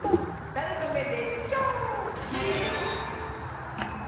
だれのめでショー⁉ミズン！